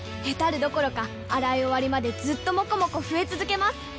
ヘタるどころか洗い終わりまでずっともこもこ増え続けます！